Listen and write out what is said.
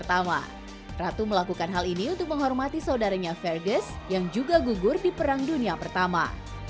ratu melakukan hal ini untuk menghormati saudaranya ferdiz yang juga gugur di perang dunia pertama